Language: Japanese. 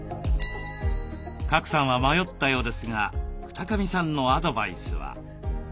賀来さんは迷ったようですが二神さんのアドバイスは。